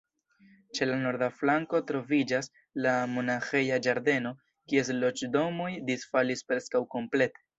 Ĉe la norda flanko troviĝas la monaĥeja ĝardeno, kies loĝdomoj disfalis preskaŭ komplete.